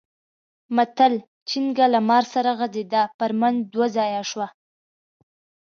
متل؛ چينګه له مار سره غځېده؛ پر منځ دوه ځايه شوه.